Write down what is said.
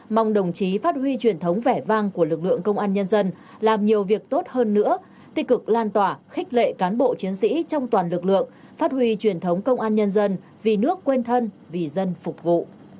mong đồng chí phát huy truyền thống vẻ vang của lực lượng công an nhân dân làm nhiều việc tốt hơn nữa tích cực lan tỏa khích lệ cán bộ chiến sĩ trong toàn lực lượng phát huy truyền thống công an nhân dân vì nước quên thân vì dân phục vụ